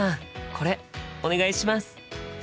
これお願いします！